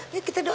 yuk kita doa